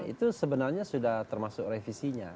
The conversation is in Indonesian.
itu sebenarnya sudah termasuk revisinya